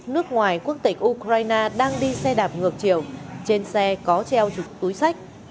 nước ngoài quốc tịch ukraine đang đi xe đạp ngược chiều trên xe có treo chục túi sách